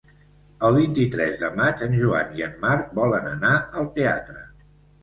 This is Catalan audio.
El vint-i-tres de maig en Joan i en Marc volen anar al teatre.